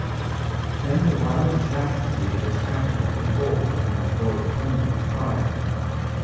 "Then the wild exactitude of this action took hold of the mad lord's brain like fire.